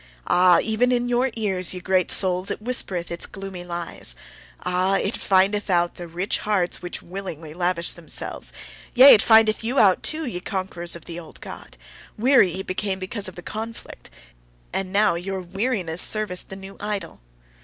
Ah! even in your ears, ye great souls, it whispereth its gloomy lies! Ah! it findeth out the rich hearts which willingly lavish themselves! Yea, it findeth you out too, ye conquerors of the old God! Weary ye became of the conflict, and now your weariness serveth the new idol!